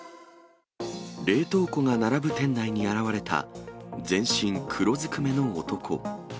冷凍庫が並ぶ店内に現れた全身黒ずくめの男。